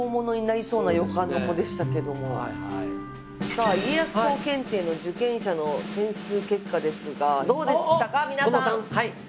さあ家康公検定の受験者の点数結果ですがどうでしたか皆さん！